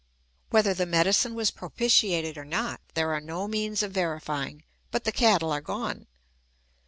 Whether the medicine was propitiated or not, there are no means of verifying, but the cattle are gone.